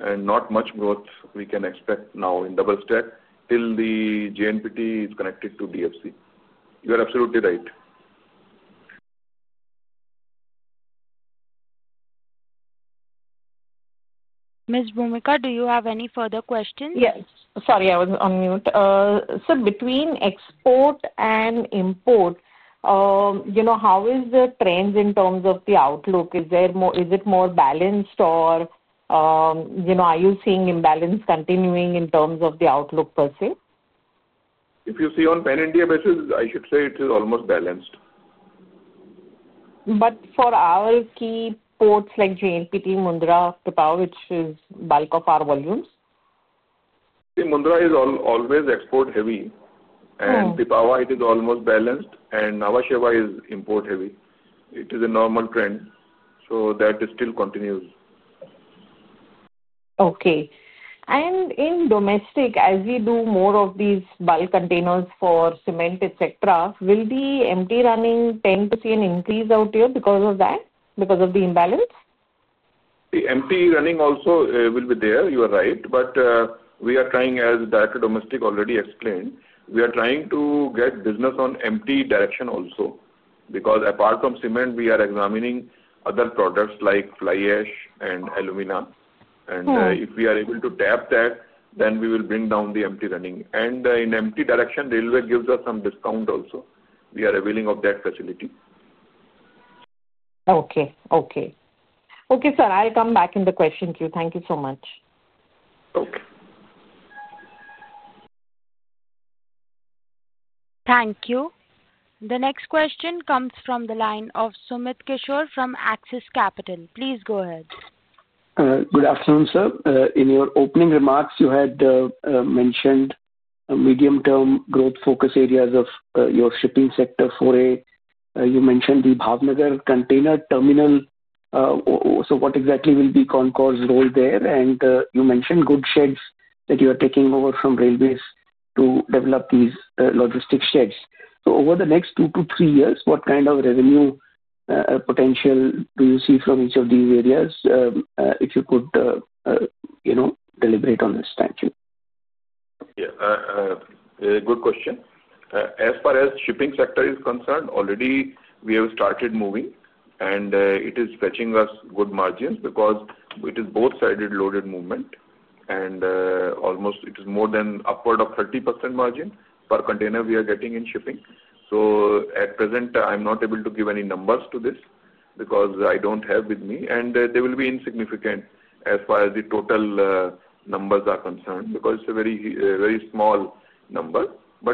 and not much growth we can expect now in double stack till the JNPT is connected to DFC. You are absolutely right. Ms. Bhoomika, do you have any further questions? Yes. Sorry, I was on mute. Sir, between export and import, how is the trend in terms of the outlook? Is it more balanced, or are you seeing imbalance continuing in terms of the outlook per se? If you see on pan-India basis, I should say it is almost balanced. For our key ports like JNPT, Mundra, Pipavav, which is bulk of our volumes? See, Mundra is always export-heavy, and Pipavav, it is almost balanced, and Nhava Sheva is import-heavy. It is a normal trend. That still continues. Okay. In domestic, as we do more of these bulk containers for cement, etc., will the empty running tend to see an increase out here because of that, because of the imbalance? See, empty running also will be there. You are right. We are trying, as Director Domestic already explained, we are trying to get business on empty direction also. Because apart from cement, we are examining other products like fly ash and alumina. If we are able to tap that, we will bring down the empty running. In empty direction, railway gives us some discount also. We are availing of that facility. Okay. Okay, sir. I'll come back in the question queue. Thank you so much. Okay. Thank you. The next question comes from the line of Sumit Kishore from Axis Capital. Please go ahead. Good afternoon, sir. In your opening remarks, you had mentioned medium-term growth focus areas of your shipping sector for a. You mentioned the Bhavnagar container terminal. What exactly will be CONCOR's role there? You mentioned goods sheds that you are taking over from railways to develop these logistics sheds. Over the next two to three years, what kind of revenue potential do you see from each of these areas? If you could deliberate on this, thank you. Yeah. Good question. As far as shipping sector is concerned, already we have started moving, and it is fetching us good margins because it is both-sided loaded movement. It is more than upward of 30% margin per container we are getting in shipping. At present, I'm not able to give any numbers to this because I don't have with me. They will be insignificant as far as the total numbers are concerned because it's a very small number.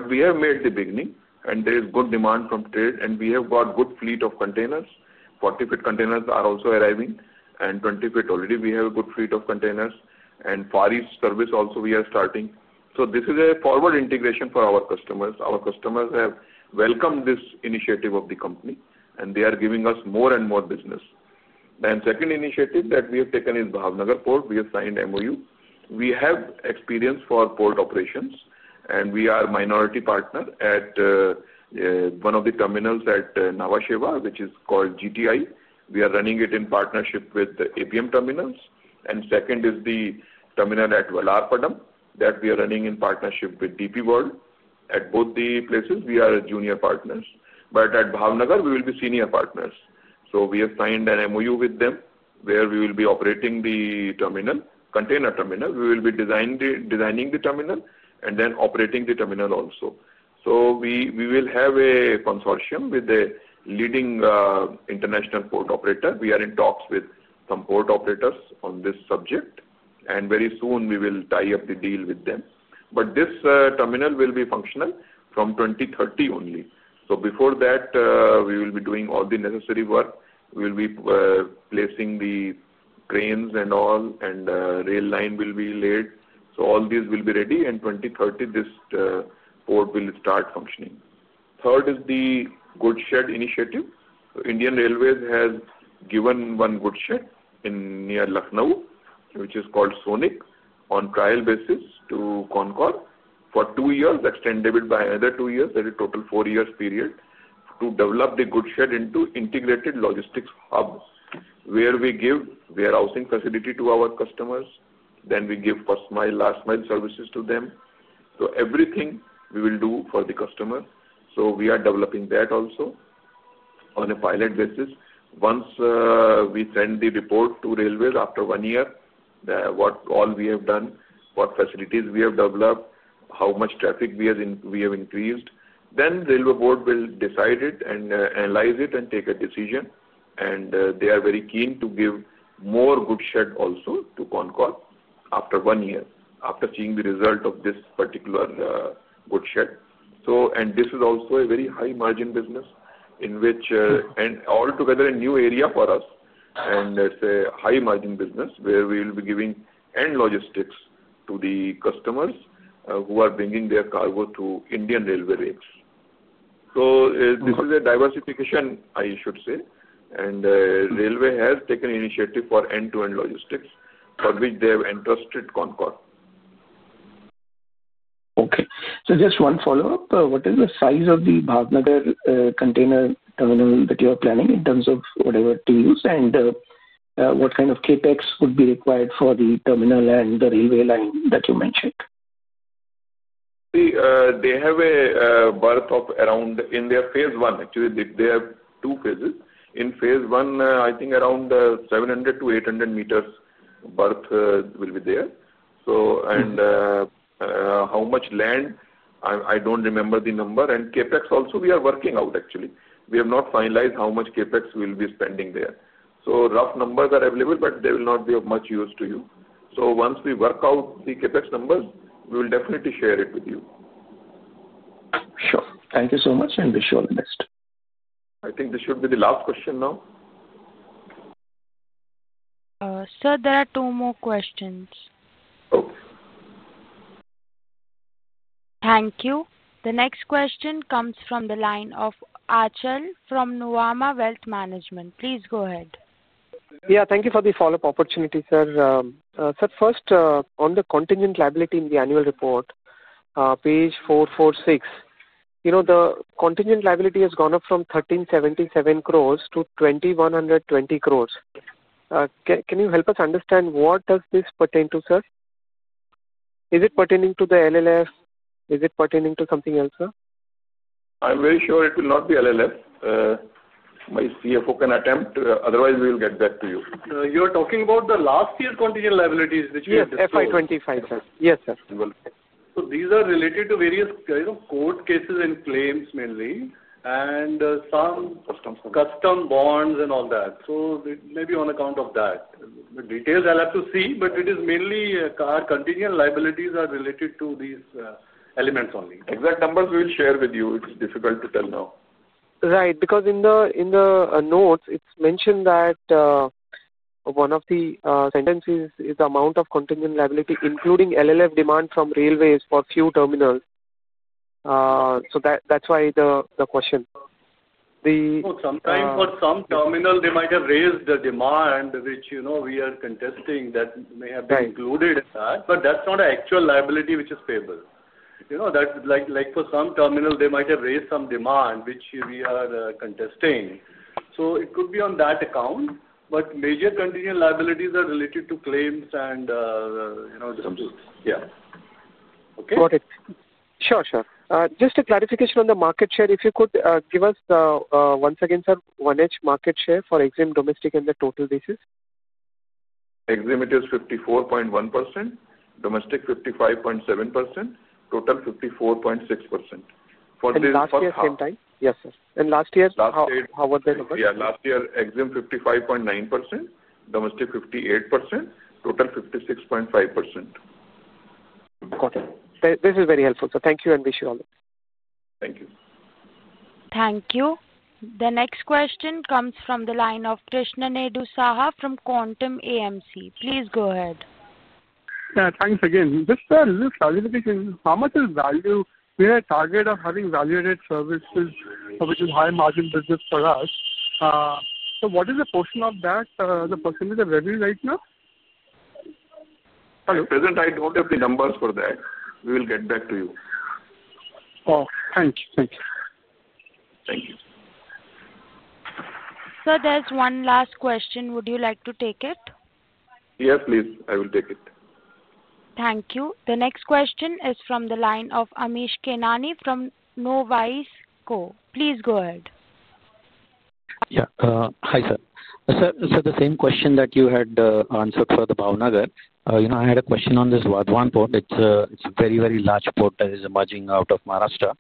We have made the beginning, and there is good demand from trade, and we have got good fleet of containers. 40-foot containers are also arriving, and 20-foot already we have a good fleet of containers. Far East service also we are starting. This is a forward integration for our customers. Our customers have welcomed this initiative of the company, and they are giving us more and more business. The second initiative that we have taken is Bhavnagar Port. We have signed an MOU. We have experience for port operations, and we are a minority partner at one of the terminals at Nhava Sheva, which is called GTI. We are running it in partnership with the APM Terminals. The second is the terminal at Vallarpadam that we are running in partnership with DP World. At both the places, we are junior partners. At Bhavnagar, we will be senior partners. We have signed an MOU with them where we will be operating the container terminal. We will be designing the terminal and then operating the terminal also. We will have a consortium with the leading international port operator. We are in talks with some port operators on this subject. Very soon, we will tie up the deal with them. This terminal will be functional from 2030 only. Before that, we will be doing all the necessary work. We will be placing the cranes and all, and rail line will be laid. All these will be ready, and in 2030, this port will start functioning. Third is the good shed initiative. Indian Railways has given one good shed near Lucknow, which is called Sonic, on trial basis to CONCOR. For two years, extended it by another two years. That is a total four-year period to develop the good shed into integrated logistics hub where we give warehousing facility to our customers. We give first-mile, last-mile services to them. Everything we will do for the customers. We are developing that also on a pilot basis. Once we send the report to railways after one year, what all we have done, what facilities we have developed, how much traffic we have increased, the railway board will decide it and analyze it and take a decision. They are very keen to give more goods shed also to CONCOR after one year, after seeing the result of this particular goods shed. This is also a very high-margin business, and altogether a new area for us, and it's a high-margin business where we will be giving end logistics to the customers who are bringing their cargo to Indian railway rakes. This is a diversification, I should say. Railway has taken initiative for end-to-end logistics for which they have entrusted CONCOR. Okay. So just one follow-up. What is the size of the Bhavnagar container terminal that you are planning in terms of whatever TEUs and what kind of CapEx would be required for the terminal and the railway line that you mentioned? See, they have a berth of around in their phase one. Actually, they have two phases. In phase one, I think around 700-800 meters berth will be there. How much land, I do not remember the number. CapEx also, we are working out, actually. We have not finalized how much CapEx we will be spending there. Rough numbers are available, but they will not be of much use to you. Once we work out the CapEx numbers, we will definitely share it with you. Sure. Thank you so much, and wish you all the best. I think this should be the last question now. Sir, there are two more questions. Okay. Thank you. The next question comes from the line of Achal from Nuvama Wealth Management. Please go ahead. Yeah. Thank you for the follow-up opportunity, sir. Sir, first, on the contingent liability in the annual report, page 446, the contingent liability has gone up from 1,377 crore to 2,120 crore. Can you help us understand what does this pertain to, sir? Is it pertaining to the LLF? Is it pertaining to something else, sir? I'm very sure it will not be LLF. My CFO can attempt. Otherwise, we will get back to you. You are talking about the last year's contingent liabilities, which we have discussed. Yes, FY25, sir. Yes, sir. These are related to various court cases and claims mainly, and some customs bonds and all that. Maybe on account of that. The details I'll have to see, but it is mainly our contingent liabilities are related to these elements only. Exact numbers we will share with you. It's difficult to tell now. Right. Because in the notes, it's mentioned that one of the sentences is the amount of contingent liability, including LLF demand from railways for few terminals. That's why the question. Sometimes for some terminal, they might have raised the demand, which we are contesting that may have been included in that. That is not an actual liability which is payable. Like for some terminal, they might have raised some demand, which we are contesting. It could be on that account. Major contingent liabilities are related to claims and. Some of these. Yeah. Okay? Got it. Sure, sir. Just a clarification on the market share. If you could give us once again, sir, one-hedge market share for EXIM, domestic, and the total basis. EXIM, it is 54.1%. Domestic, 55.7%. Total, 54.6%. For this. Last year same time? Yes, sir. Last year, how were the numbers? Yeah. Last year, EXIM 55.9%, domestic 58%, total 56.5%. Got it. This is very helpful. Thank you and wish you all the best. Thank you. Thank you. The next question comes from the line of Krishnedu Saha from Quantum AMC. Please go ahead. Yeah. Thanks again. Just a little clarification. How much is value? We are target of having value-added services, which is high-margin business for us. What is the portion of that? The percentage of revenue right now? At present, I don't have the numbers for that. We will get back to you. Oh, thanks. Thanks. Thank you. Sir, there's one last question. Would you like to take it? Yes, please. I will take it. Thank you. The next question is from the line of Amish Kanani from Knowise Co. Please go ahead. Yeah. Hi, sir. Sir, the same question that you had answered for the Bhavnagar, I had a question on this Vadhavan port. It's a very, very large port that is emerging out of Maharashtra,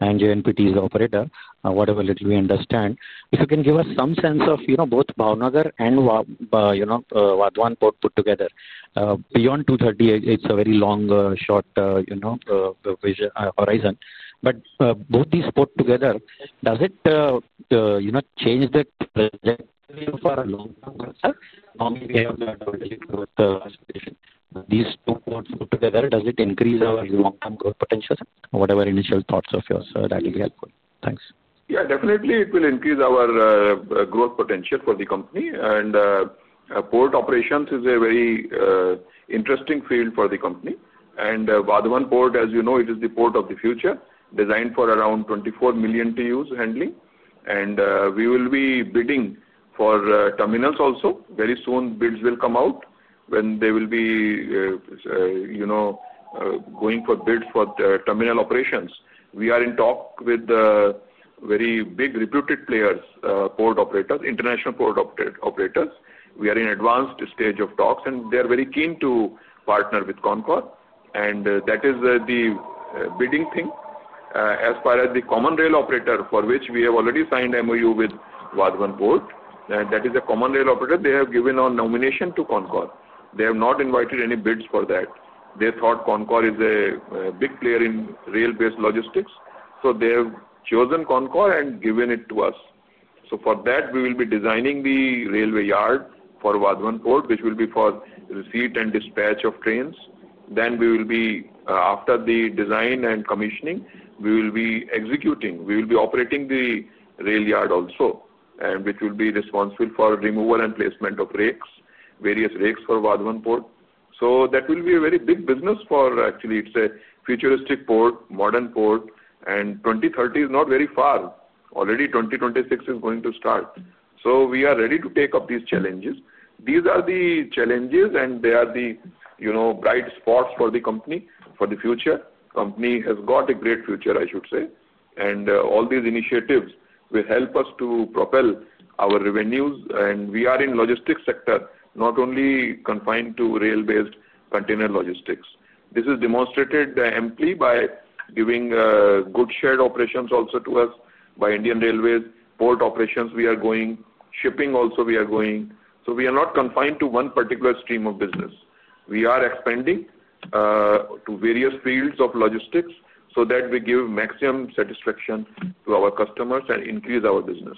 and JNPT is the operator. Whatever little we understand, if you can give us some sense of both Bhavnagar and Vadhavan port put together. Beyond 2030, it's a very long, short horizon. But both these ports together, does it change the trajectory for a long-term growth? Normally, we have a delay with the expectation. These two ports put together, does it increase our long-term growth potential? Whatever initial thoughts of yours, sir, that will be helpful. Thanks. Yeah. Definitely, it will increase our growth potential for the company. Port operations is a very interesting field for the company. Vadhavan Port, as you know, it is the port of the future, designed for around 24 million TEUs handling. We will be bidding for terminals also. Very soon, bids will come out when they will be going for bids for terminal operations. We are in talk with very big reputed players, port operators, international port operators. We are in advanced stage of talks, and they are very keen to partner with CONCOR. That is the bidding thing. As far as the Common Rail operator, for which we have already signed MOU with Vadhavan Port, that is a Common Rail operator, they have given our nomination to CONCOR. They have not invited any bids for that. They thought CONCOR is a big player in rail-based logistics. They have chosen CONCOR and given it to us. For that, we will be designing the railway yard for Vadhavan port, which will be for receipt and dispatch of trains. After the design and commissioning, we will be executing. We will be operating the rail yard also, which will be responsible for removal and placement of rakes, various rakes for Vadhavan port. That will be a very big business, actually. It is a futuristic port, modern port, and 2030 is not very far. Already, 2026 is going to start. We are ready to take up these challenges. These are the challenges, and they are the bright spots for the company for the future. Company has got a great future, I should say. All these initiatives will help us to propel our revenues. We are in logistics sector, not only confined to rail-based container logistics. This is demonstrated amply by giving good shared operations also to us by Indian Railways. Port operations, we are going. Shipping also, we are going. We are not confined to one particular stream of business. We are expanding to various fields of logistics so that we give maximum satisfaction to our customers and increase our business.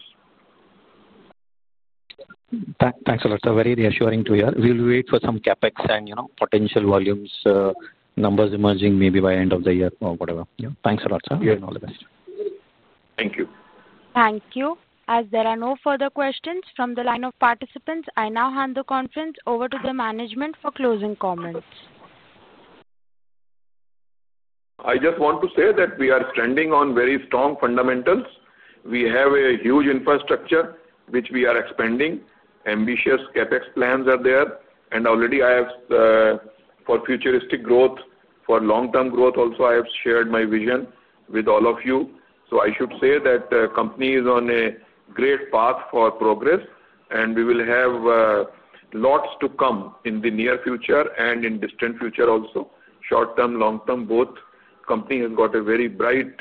Thanks a lot, sir. Very reassuring to hear. We will wait for some CapEx and potential volumes, numbers emerging maybe by end of the year or whatever. Thanks a lot, sir. You have all the best. Thank you. Thank you. As there are no further questions from the line of participants, I now hand the conference over to the management for closing comments. I just want to say that we are standing on very strong fundamentals. We have a huge infrastructure, which we are expanding. Ambitious CapEx plans are there. Already, I have for futuristic growth, for long-term growth also, I have shared my vision with all of you. I should say that the company is on a great path for progress, and we will have lots to come in the near future and in distant future also. Short-term, long-term, both, company has got a very bright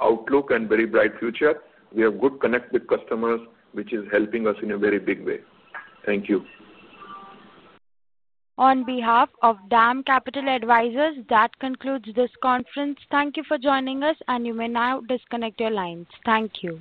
outlook and very bright future. We have good connect with customers, which is helping us in a very big way. Thank you. On behalf of DAM Capital Advisors, that concludes this conference. Thank you for joining us, and you may now disconnect your lines. Thank you.